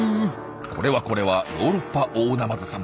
これはこれはヨーロッパオオナマズさん。